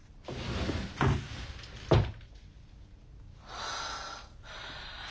はあ。